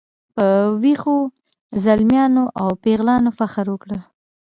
په ویښو زلمیانو او پیغلانو فخر وکړو.